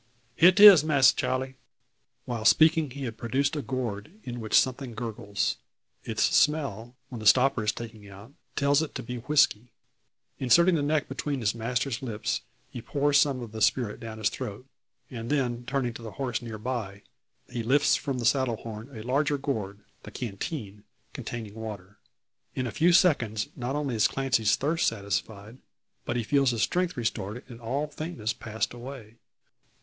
Here 'tis, Masser Charle." While speaking, he has produced a gourd, in which something gurgles. Its smell, when the stopper is taken out, tells it to be whiskey. Inserting the neck between his master's lips, he pours some of the spirit down his throat; and then, turning to the horse near by, he lifts from off the saddle horn a larger gourd the canteen, containing water. In a few seconds, not only is Clancy's thirst satisfied, but he feels his strength restored, and all faintness passed away.